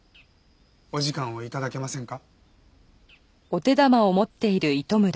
お時間を頂けませんか？